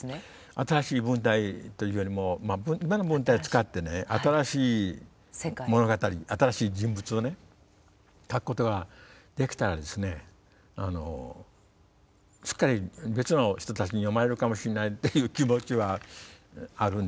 新しい文体というよりも今の文体を使ってね新しい物語新しい人物をね書くことができたらですねすっかり別の人たちに読まれるかもしれないっていう気持ちはあるんです。